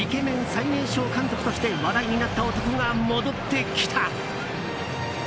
最年少監督として話題になった男が戻ってきた。